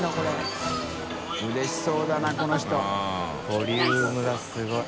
ボリュームがすごい。